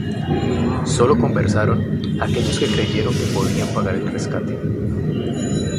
Solo conservaron a aquellos que creyeron que podían pagar rescate.